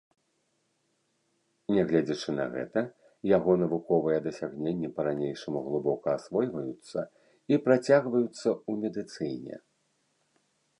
Нягледзячы на гэта, яго навуковыя дасягненні па-ранейшаму глыбока асвойваюцца і працягваюцца ў медыцыне.